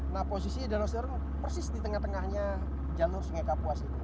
nah posisi danau seru persis di tengah tengahnya jalur sungai kapuas ini